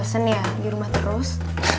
bosen ya dirumah terus